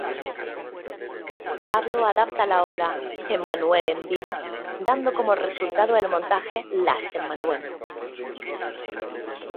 Pablo adapta la obra "Emanuele en vivo", dando como resultado el montaje "Las Emanuele".